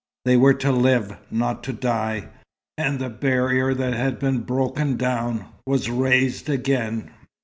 They were to live, not to die, and the barrier that had been broken down was raised again.